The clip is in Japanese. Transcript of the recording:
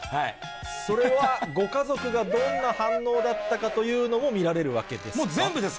それはご家族がどんな反応だったかというのも見られるわけですか。